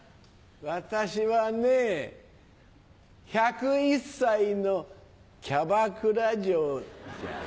私はね１０１歳のキャバクラ嬢じゃよ。